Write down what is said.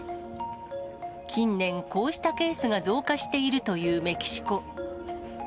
近年、こうしたケースが増加しているというメキシコ。